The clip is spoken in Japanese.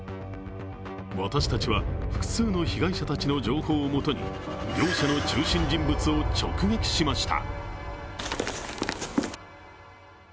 私たちは複数の被害者たちの情報をもとに業者の中心人物を直撃しました。